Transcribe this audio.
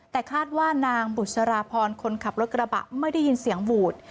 แต่คาดว่านางบุษราพรคนขับรถกระบะไม่ได้ยินเสียงหวูด